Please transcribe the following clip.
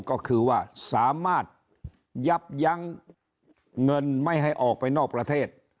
ก็คือว่าสามารถยับยั้งเงินไม่ให้ออกไปนอกประเทศ